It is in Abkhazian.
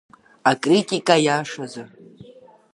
Акритика иашазы.